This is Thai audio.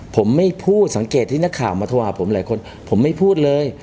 ผมไม่พูดสังเกตที่นักข่าวมาโทรหาผมหลายคนผมไม่พูดเลย